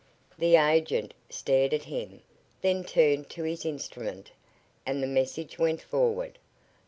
The agent stared at him; then turned to his instrument, and the message went forward.